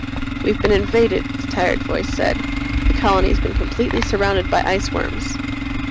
"We've been invaded," the tired voice said. "The colony's been completely surrounded by iceworms."